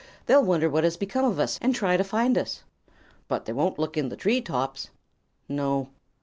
"They'll wonder what has become of us, and try to find us." "But they won't look in the tree tops." "No."